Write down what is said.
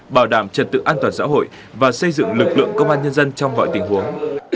bảo đảm trật tự an toàn xã hội và xây dựng lực lượng công an nhân dân trong mọi tình huống